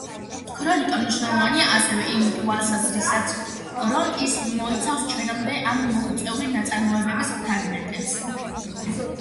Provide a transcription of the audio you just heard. ქრონიკა მნიშვნელოვანია ასევე იმ თვალსაზრისითაც რომ ის მოიცავს ჩვენამდე არ მოღწეული ნაწარმოებების ფრაგმენტებს.